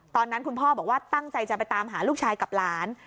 ตอนนั้นคุณพ่อบอกว่าตั้งใจจะไปตามหาลูกชายกับหลาน